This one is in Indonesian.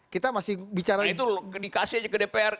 karena itu dikasih aja ke dpr